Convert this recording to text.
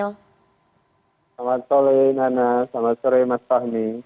selamat sore nana selamat sore mas fahmi